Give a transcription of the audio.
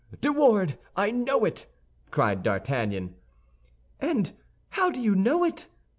"De Wardes; I know it," cried D'Artagnan. "And how do you know it?"